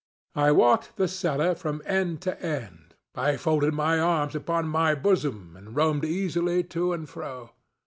I walked the cellar from end to end. I folded my arms upon my bosom, and roamed easily to and fro.